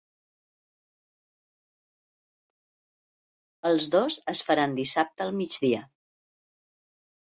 Els dos es faran dissabte al migdia.